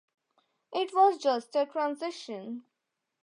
It was just a transition.